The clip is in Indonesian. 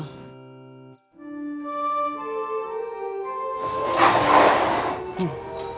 sampai jumpa lagi